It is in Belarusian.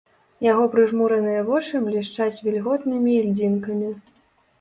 Яго прыжмураныя вочы блішчаць вільготнымі ільдзінкамі.